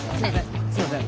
すいません。